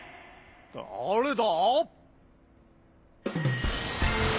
だれだ！？